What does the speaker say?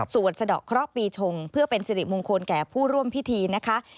สะดอกเคราะห์ปีชงเพื่อเป็นสิริมงคลแก่ผู้ร่วมพิธีนะคะ